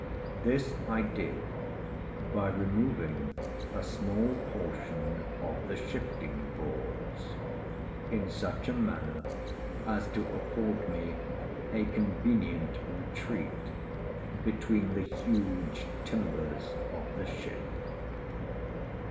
This I did by removing a small portion of the shifting boards, in such a manner as to afford me a convenient retreat between the huge timbers of the ship.